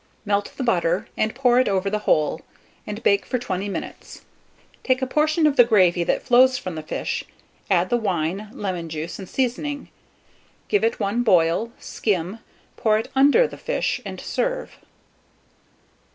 Melt the butter, and pour it over the whole, and bake for 20 minutes. Take a portion of the gravy that flows from the fish, add the wine, lemon juice, and seasoning, give it one boil, skim, pour it under the fish, and serve.